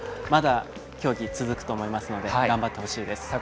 まだ、競技続くと思いますので頑張ってほしいです。